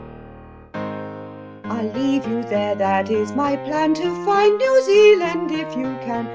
I'll leave you there (that is my plan) To find New Zealand if you can.